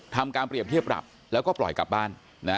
ทำการเปรียบเทียบปรับแล้วก็ปล่อยกลับบ้าน